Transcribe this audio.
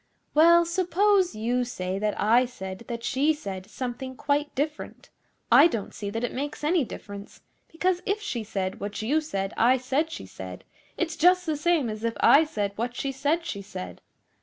'Well, suppose you say that I said that she said something quite different, I don't see that it makes any difference; because if she said what you said I said she said, it's just the same as if I said what she said she said.